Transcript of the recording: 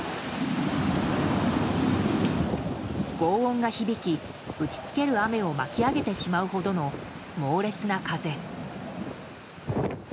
轟音が響き、打ち付ける雨を巻き上げてしまうほどの猛烈な風。